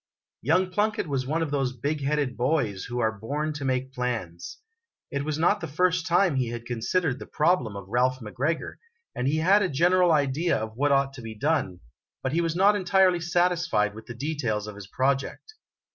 Young Plunkett was one of those big headed boys who are born to make plans. It was not the first time he had considered the problem of Ralph McGregor, and he had a general idea of what 160 IMAGINOTIONS ought to be done ; but he was not entirely satisfied with the details of his project.